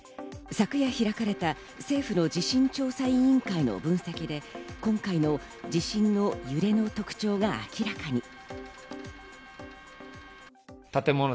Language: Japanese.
昨夜開かれた政府の地震調査委員会の分析で、今回の地震の揺れの特徴が明らかに。